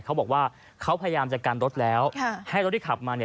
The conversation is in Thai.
เขาบอกว่าเขาพยายามจัดการรถแล้วให้รถคับมาน่ะ